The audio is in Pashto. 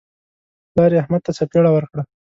پلار یې احمد ته څپېړه ورکړه.